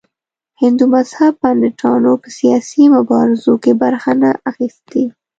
هندو مذهب پنډتانو په سیاسي مبارزو کې برخه نه ده اخیستې.